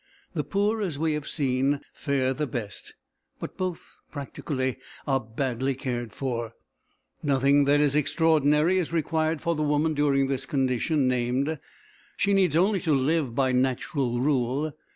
The poor, as we have seen, fare the best, but both, practically, are badly cared for. Nothing that is extraordinary is required for the woman during this condition named. She needs only to live by natural rule.